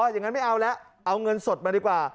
อย่างนั้นไม่เอาแล้วเอาเงินสดมาดีกว่า